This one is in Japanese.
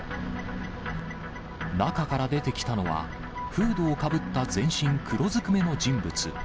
中から出てきたのは、フードをかぶった全身黒ずくめの人物。